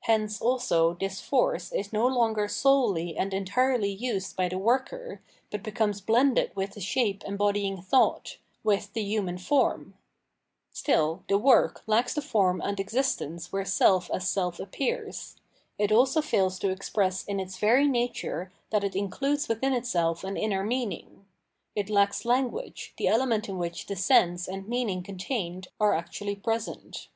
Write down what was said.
Hence also this force is no longer solely and entirely used by the worker, but becomes blended with the shape embody * The Egyptian columns and architecture. 710 Phenomenology of Mind ing thouglit, with the humaB form * Still, the work lacks the form and. existence where self as self appears : it also fails to express in its very nature that it includes within itself an inner meaning; it lacks language, the element in which the sense and meaning contained are actually present.